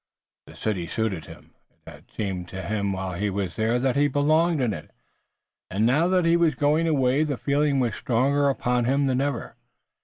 The city suited him. It had seemed to him while he was there that he belonged in it, and now that he was going away the feeling was stronger upon him than ever.